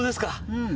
うん。